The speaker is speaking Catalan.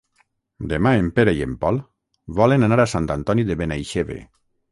Demà en Pere i en Pol volen anar a Sant Antoni de Benaixeve.